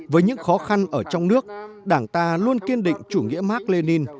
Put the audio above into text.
với những khó khăn ở trong nước đảng ta luôn kiên định chủ nghĩa mark lenin